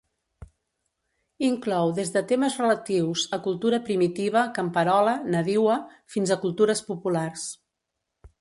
Inclou des de temes relatius a cultura primitiva, camperola, nadiua, fins a cultures populars.